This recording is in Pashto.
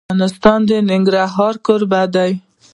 افغانستان د ننګرهار کوربه دی.